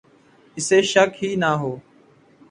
اسے شک ہی نہ ہو